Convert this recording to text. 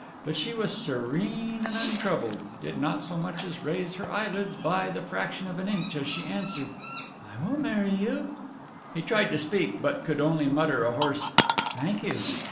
But she was serene and untroubled, did not so much as raise her eyelids by the fraction of an inch as she answered: "I will marry you." He tried to speak but could only mutter a hoarse, "Thank you."